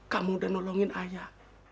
kamu udah nolongin ayah